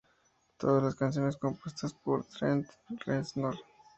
Todas las canciones compuestas por Trent Reznor.